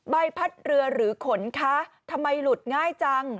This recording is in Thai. ใบพัดเรือหรือขนคะทำไมหลุดง่ายจัง